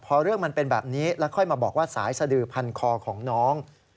พอเรื่องมันเป็นแบบนี้แล้วค่อยมาบอกว่าสายสดือพันคอของน้อง